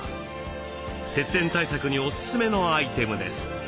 節電対策にオススメのアイテムです。